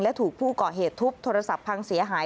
และถูกผู้ก่อเหตุทุบโทรศัพท์พังเสียหาย